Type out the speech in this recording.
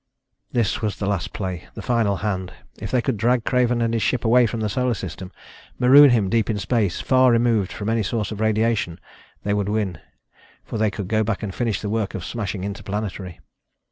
This was the last play, the final hand. If they could drag Craven and his ship away from the Solar System, maroon him deep in space, far removed from any source of radiation, they would win, for they could go back and finish the work of smashing Interplanetary.